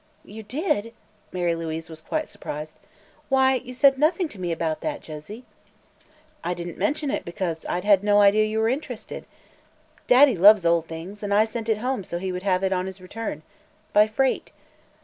"You did?" Mary Louise was quite surprised. "Why, you said nothing to me about that, Josie." "I didn't mention it because I'd no idea you were interested. Daddy loves old things, and I sent it home so he would have it on his return. By freight.